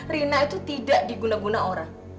rina itu tidak diguna guna orang